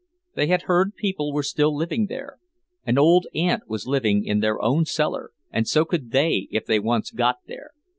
They had heard people were still living there; an old aunt was living in their own cellar, and so could they if they once got there.